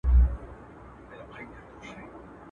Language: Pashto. پخواني خلک په ناوو کې اوبه راوړل.